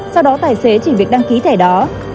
sau đó tài xế chỉ việc đăng ký thẻ đó